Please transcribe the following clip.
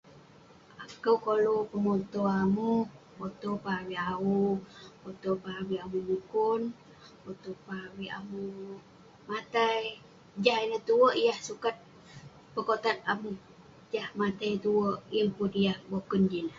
Akouk koluk pemotew amuh potew pah avik awu..potew pah avik amuh mukun..potew pah avik amuh matai..Jah ineh tuwerk yah sukat pekotat amuh, jah matai tuwerk yeng pun yah eh boken jin ineh..